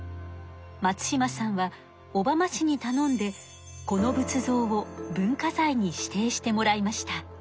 松島さんは小浜市にたのんでこの仏像を文化財に指定してもらいました。